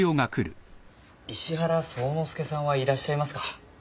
石原宗之助さんはいらっしゃいますか？